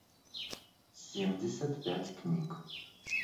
семьдесят пять книг